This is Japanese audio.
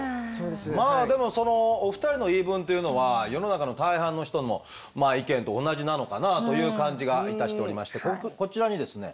まあでもそのお二人の言い分というのは世の中の大半の人の意見と同じなのかなという感じがいたしておりましてこちらにですね